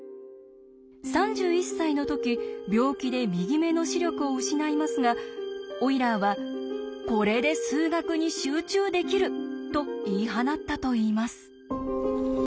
３１歳の時病気で右目の視力を失いますがオイラーは「これで数学に集中できる」と言い放ったといいます。